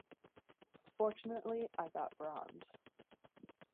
Fortunately I got bronze...